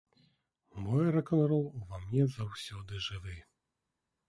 Мой рок-н-рол ува мне заўсёды жывы!